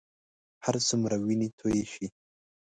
هرڅومره وینې تویې شي.